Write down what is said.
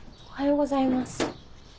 おはよう。